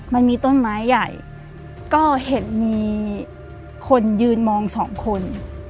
มันมีต้นไม้ใหญ่ก็เห็นมีคนยืนมองสองคน